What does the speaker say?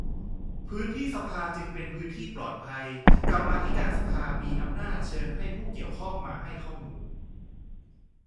พื้นที่สภาจึงเป็นพื้นที่ปลอดภัย กรรมาธิการสภามีอำนาจเชิญให้ผู้เกี่ยวข้องมาให้ข้อมูล